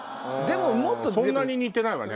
そんなに似てないわね。